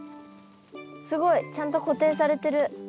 すごいちゃんと固定されてる。